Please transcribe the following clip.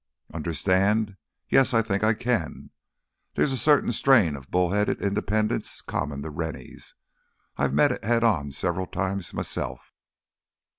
"Understand ... yes, I think I can. There's a certain strain of bull headed independence common to Rennies—I've met it head on several times myself.